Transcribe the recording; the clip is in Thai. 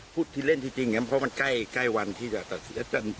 พูดที่เล่นที่จริงอย่างนี้เพราะว่ามันใกล้ใกล้วันที่จะตัดสิน